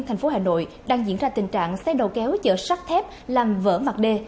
thành phố hà nội đang diễn ra tình trạng xe đầu kéo chở sắt thép làm vỡ mặt đê